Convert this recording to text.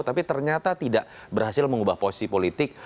tapi ternyata tidak berhasil mengubah posisi politik